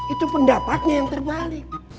itu pendapatnya yang terbalik